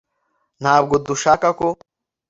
ntabwo dushaka ko